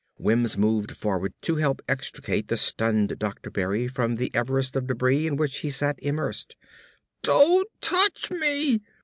Wims moved forward to help extricate the stunned Dr. Berry from the Everest of debris in which he sat immersed. "DON'T TOUCH ME!"